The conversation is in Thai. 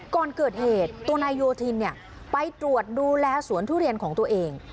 ก่อนเกิดเหตุตัวนายโยธินไปตรวจดูแลสวนทุเรียนของตัวเอง